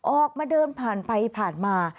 ออกมาเดินผ่านไปผ่านมา